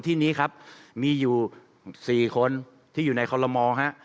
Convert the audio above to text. ที่นี้ครับมีอยู่๔คนที่อยู่ในคอลโลมอลฮะ